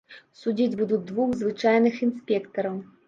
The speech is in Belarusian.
Судзіць будуць двух звычайных інспектараў.